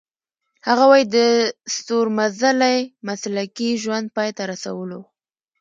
هغه وايي د ستورمزلۍ مسلکي ژوند پای ته رسولو .